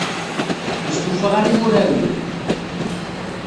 Ur stufaɣ ara i wurar-nnem.